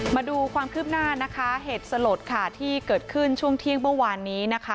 มาดูความคืบหน้านะคะเหตุสลดค่ะที่เกิดขึ้นช่วงเที่ยงเมื่อวานนี้นะคะ